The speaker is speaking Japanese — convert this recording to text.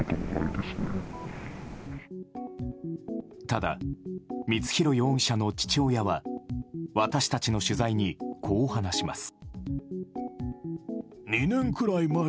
ただ、光弘容疑者の父親は私たちの取材にこう話します。